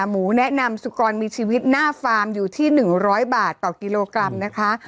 หมูแนะนำสุกรมีชีวิตหน้าฟาร์มอยู่ที่๑๐๐บาทต่อกิโลกรัมนะคะ